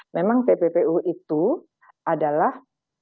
memang tppu itu adalah